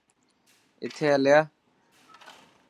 اٿي هليا.